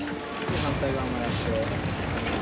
・反対側もやって。